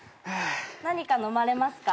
何か飲まれますか？